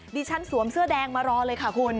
สวมเสื้อแดงมารอเลยค่ะคุณ